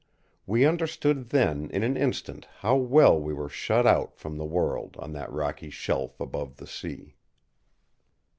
We understood then in an instant how well we were shut out from the world on that rocky shelf above the sea.